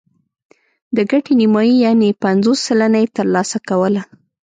د ګټې نیمايي یعنې پنځوس سلنه یې ترلاسه کوله.